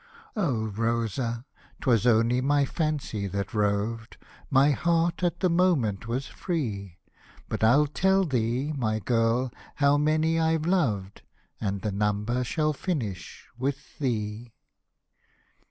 Rosa ! 'twas only my fancy that roved, My heart at the moment was free ; But I'll tell thee, my girl, how many I've loved, And the number shall finish with thee.